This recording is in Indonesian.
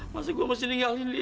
masa gue mesti tinggal sini ya sih